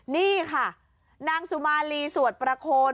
นี่ค่ะนางสุมาลีสวดประโคน